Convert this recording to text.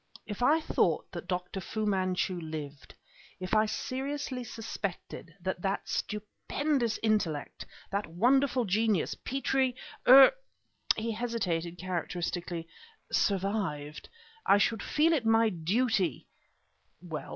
If I thought that Dr. Fu Manchu lived; if I seriously suspected that that stupendous intellect, that wonderful genius, Petrie, er " he hesitated characteristically "survived, I should feel it my duty " "Well?"